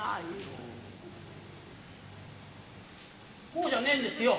そうじゃねえんですよ。